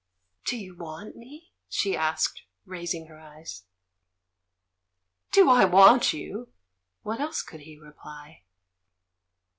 "Do you want me?" she asked, raising her eyes. "Do I 'want' you!" What else could he re ply?